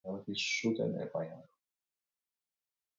Tenperatura minimoak ez dira zero gradura iritsiko.